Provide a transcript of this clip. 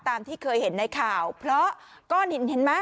ตามที่เคยเห็นในข่าวเพราะก้อนหินเห็นไหม